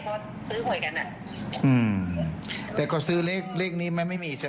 ก็ซื้อเห่ยกันอ่ะอืมแต่ก็ซื้อเลขเลขนี้มันไม่มีใช่มั้ย